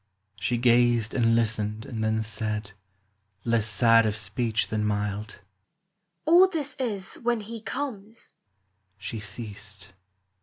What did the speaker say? She gazed and listened and then said, Less sad of speech than mild, —" All this is when he comes." She ceased.